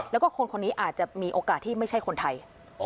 แล้วก็คนคนนี้อาจจะมีโอกาสที่ไม่ใช่คนไทย